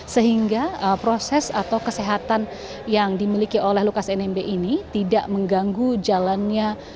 sehingga proses atau kesehatan yang dimiliki oleh lukas nmb ini tidak mengganggu jalannya